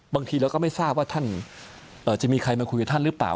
บางทีเราก็ไม่ทราบว่าท่านจะมีใครมาคุยกับท่านหรือเปล่า